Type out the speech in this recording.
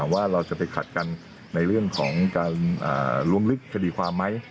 ว่าเราจะไปขัดกันในเรื่องของการล้วงลึกคดีความไหม